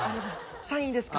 サインいいですか？